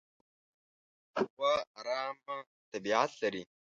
غوا ارامه طبیعت لري.